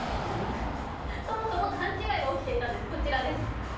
そもそも勘違いが起きていたんです。